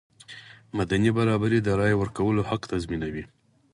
مدني برابري د رایې ورکولو حق تضمینوي.